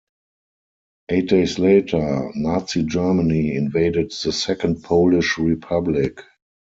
Eight days later, Nazi Germany invaded the Second Polish Republic.